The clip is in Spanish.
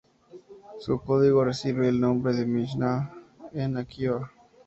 Su código recibe el nombre de Mishná de Akiva.